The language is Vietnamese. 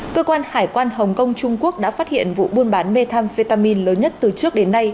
cơ quan hải quan hồng kông trung quốc đã phát hiện vụ buôn bán methamphetamine lớn nhất từ trước đến nay